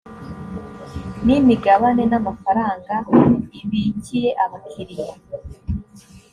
n imigabane n amafaranga ibikiye abakiriya